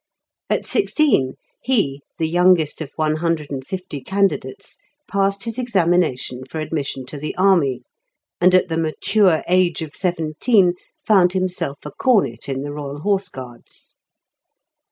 At sixteen he, the youngest of one hundred and fifty candidates, passed his examination for admission to the army, and at the mature age of seventeen found himself a cornet in the Royal Horse Guards.